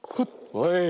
はい！